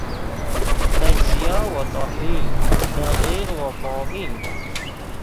تجزیه و تحلیل دقیق و کامل